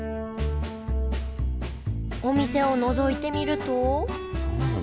お店をのぞいてみるとどうなの？